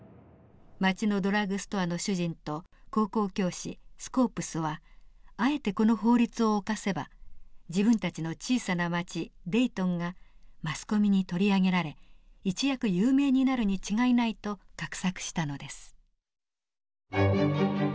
町のドラッグストアの主人と高校教師スコープスはあえてこの法律を犯せば自分たちの小さな町デイトンがマスコミに取り上げられ一躍有名になるに違いないと画策したのです。